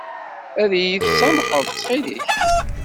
Ad iyi-tsamḥeḍ ttxil-k?